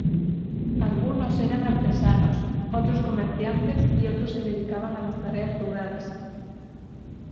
Algunos eran artesanos, otros comerciantes y otros se dedicaban a las tareas rurales.